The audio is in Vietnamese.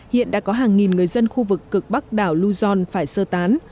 hiện đã có hàng nghìn người dân khu vực cực bắc đảo lưu dông phải sơ tán